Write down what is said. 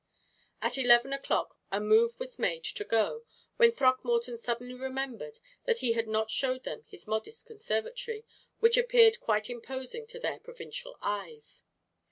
At eleven o'clock a move was made to go, when Throckmorton suddenly remembered that he had not showed them his modest conservatory, which appeared quite imposing to their provincial eyes.